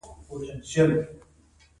له دې نه چې د یو چا په مینه کې غرق شئ.